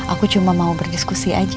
aku cuma mau berdiskusi aja